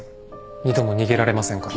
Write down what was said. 二度も逃げられませんから。